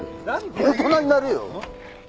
大人になれよ！